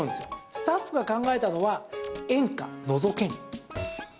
スタッフが考えたのは煙火のぞけん。